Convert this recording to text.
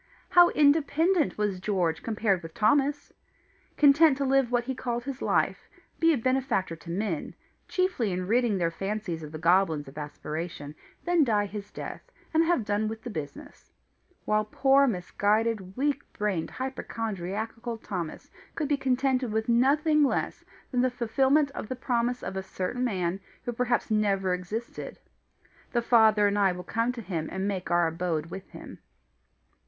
How independent was George compared with Thomas! content to live what he called his life, be a benefactor to men, chiefly in ridding their fancies of the goblins of aspiration, then die his death, and have done with the business; while poor misguided, weak brained, hypochondriacal Thomas could be contented with nothing less than the fulfilment of the promise of a certain man who perhaps never existed: "The Father and I will come to him and make our abode with him."